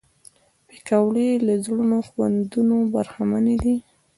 پکورې له زړو خوندونو برخمنې دي